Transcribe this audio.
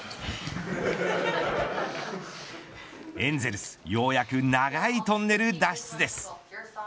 エンゼルス、ようやく長いトンネル脱出です。